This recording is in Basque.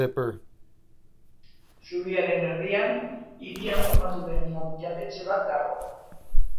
Zubiaren erdian, hirian famatu den jatetxe bat dago.